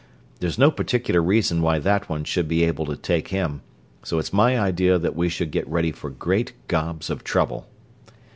There's no particular reason why that one should be able to take him, so it's my idea that we should get ready for great gobs of trouble.